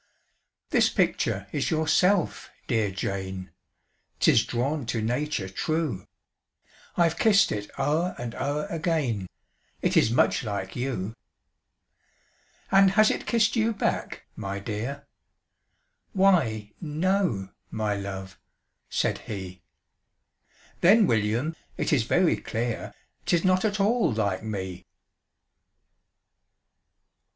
"This picture is yourself, dear Jane 'Tis drawn to nature true: I've kissed it o'er and o'er again, It is much like you." "And has it kissed you back, my dear?" "Why no my love," said he. "Then, William, it is very clear 'Tis not at all LIKE ME!"